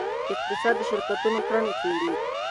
اقتصاد د شرکتونو کړنې څیړي.